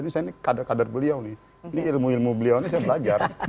ini saya ini kader kader beliau nih ini ilmu ilmu beliau ini saya belajar